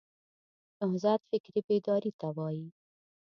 نهضت فکري بیداري ته وایي.